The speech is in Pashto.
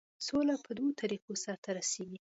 سوله په دوو طریقو سرته رسیږي.